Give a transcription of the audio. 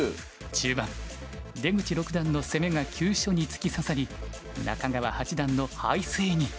中盤出口六段の攻めが急所に突き刺さり中川八段の敗勢に。